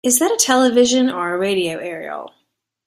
Is that a television or a radio aerial?